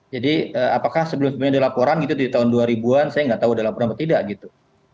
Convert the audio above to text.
jadi apakah sebelumnya ada laporan gitu di tahun dua ribu an saya gak tahu ada laporan atau tidak gitu